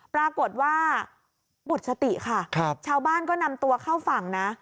ปรากฏว่าหมดสติค่ะชาวบ้านก็นำตัวเข้าฝั่งนะ